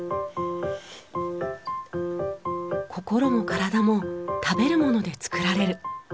心も体も食べるもので作られる。